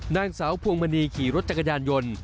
นางสาวพวงมณีขี่รถจักรยานยนต์